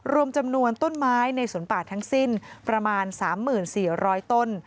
รวมจำนวนต้นไม้ในสวนป่าทั้งสิ้นประมาณ๓๔๐๐ต้น